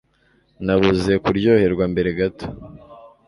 Nabuze kuryoherwa mbere gato